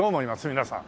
皆さん。